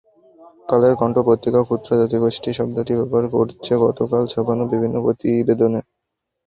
কালের কণ্ঠ পত্রিকা ক্ষুদ্র জাতিগোষ্ঠী শব্দটি ব্যবহার করেছে গতকাল ছাপানো বিভিন্ন প্রতিবেদনে।